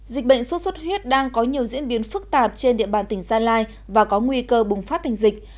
dịch bệnh sốt xuất huyết đang có nhiều diễn biến phức tạp trên địa bàn tỉnh gia lai và có nguy cơ bùng phát tình dịch